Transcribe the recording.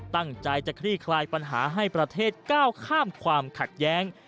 ตั้งใจจะคลี่คลายปัญหาให้ประเทศก้าวข้ามความขัดแย้ง